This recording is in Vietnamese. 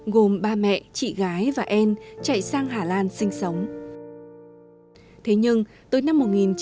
gồm ba mẹ chị gái và anne chạy sang hà lan sinh sống thế nhưng tới năm một nghìn chín trăm bốn mươi